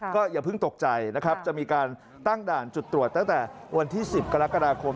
ก็อย่าเพิ่งตกใจนะครับจะมีการตั้งด่านจุดตรวจตั้งแต่วันที่๑๐กรกฎาคม